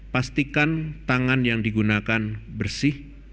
pastikan tangan yang digunakan bersih